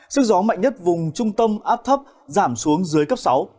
sức gió mạnh nhất vùng trung tâm áp thấp giảm xuống dưới cấp sáu